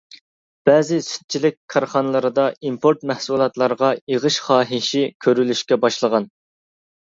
بەزى سۈتچىلىك كارخانىلىرىدا ئىمپورت مەھسۇلاتلارغا ئېغىش خاھىشى كۆرۈلۈشكە باشلىغان.